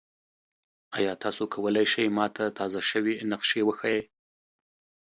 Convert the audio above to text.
ایا تاسو کولی شئ ما ته تازه شوي نقشې وښایئ؟